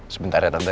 sebentar ya tante